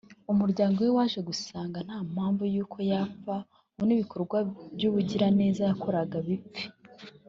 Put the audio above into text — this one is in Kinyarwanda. umuryango we waje gusanga nta mpamvu y’uko yapfa ngo n’ibikorwa by’ubugiraneza yakoraga bipfe